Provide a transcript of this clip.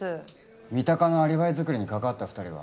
三鷹のアリバイ作りに関わった２人は？